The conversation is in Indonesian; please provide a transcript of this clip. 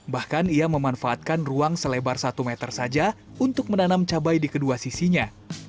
bahkan ia memanfaatkan ruang selebar satu meter saja untuk menanam cabai di kedua sisinya